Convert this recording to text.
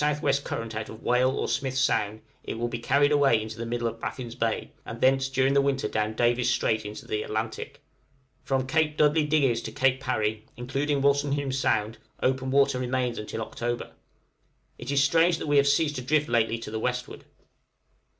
W. current out of Whale or Smith's Sound, it will be carried away into the middle of Baffin's Bay, and thence during the winter down Davis' Strait into the Atlantic. From Cape Dudley Digges to Cape Parry, including Wolstenholme Sound, open water remains until October. It is strange that we have ceased to drift lately to the westward.